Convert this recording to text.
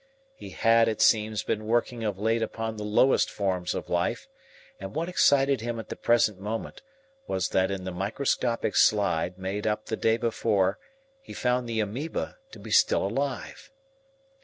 He had, it seems, been working of late upon the lowest forms of life, and what excited him at the present moment was that in the microscopic slide made up the day before he found the amoeba to be still alive.